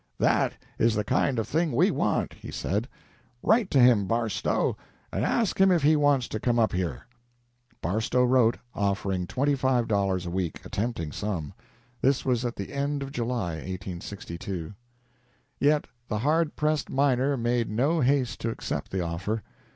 "That is the kind of thing we want," he said. "Write to him, Barstow, and ask him if he wants to come up here." Barstow wrote, offering twenty five dollars a week a tempting sum. This was at the end of July, 1862. Yet the hard pressed miner made no haste to accept the offer.